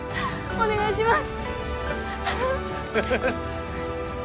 お願いします